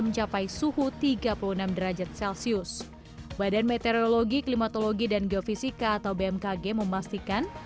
mencapai suhu tiga puluh enam derajat celcius badan meteorologi klimatologi dan geofisika atau bmkg memastikan